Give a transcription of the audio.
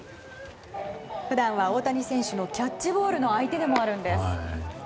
普段は大谷選手のキャッチボールの相手でもあるんです。